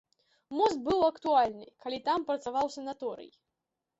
Мост быў актуальны, калі там працаваў санаторый.